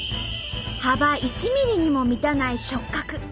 幅１ｍｍにも満たない触角。